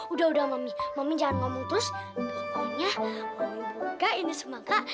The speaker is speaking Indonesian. udah udah mami mami jangan ngomong terus pokoknya mami boga ini semangka